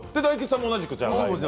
大吉さんも同じくじゃあはい。